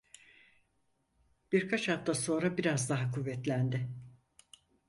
Birkaç hafta sonra biraz daha kuvvetlendi.